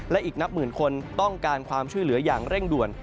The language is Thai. และอีกนับหมื่นคนต้องการความช่วยเหลืออย่างเร่งด่วน